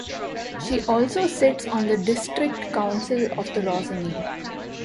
She also sits on the district council of the Rosenheim.